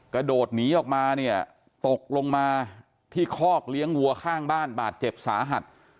กระโดดหนีออกมาเนี่ยตกลงมาที่คอกเลี้ยงวัวข้างบ้านบาดเจ็บสาหัส